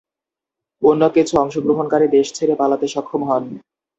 অন্য কিছু অংশগ্রহণকারী দেশ ছেড়ে পালাতে সক্ষম হন।